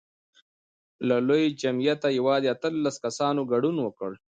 له لوی جمعیته یوازې اتلس کسانو ګډون وکړ.